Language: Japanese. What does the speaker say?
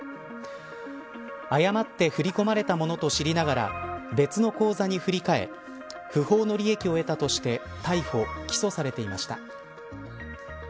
誤って振り込まれたものと知りながら別の口座に振り替え不法の利益を得たとして逮捕、起訴されていました。